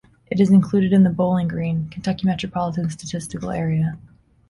It is included in the Bowling Green, Kentucky Metropolitan Statistical Area.